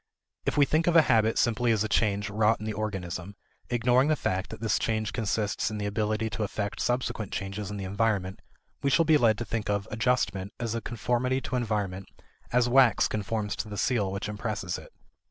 If we think of a habit simply as a change wrought in the organism, ignoring the fact that this change consists in ability to effect subsequent changes in the environment, we shall be led to think of "adjustment" as a conformity to environment as wax conforms to the seal which impresses it.